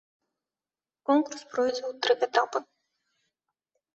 Конкурс пройдзе ў тры этапы.